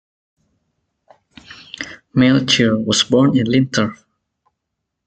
Melchior was born in Lintorf.